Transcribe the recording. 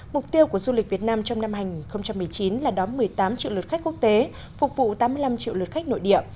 mục tiêu của du lịch việt nam trong năm hai nghìn một mươi chín là đón một mươi tám triệu lượt khách quốc tế phục vụ tám mươi năm triệu lượt khách nội địa